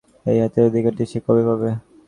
এই হাতের অধিকারটি সে কবে পাবে?